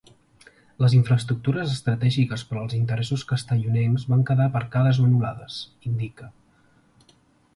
Les infraestructures estratègiques per als interessos castellonencs van quedar aparcades o anul·lades, indica.